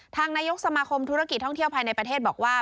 นายกสมาคมธุรกิจท่องเที่ยวภายในประเทศบอกว่า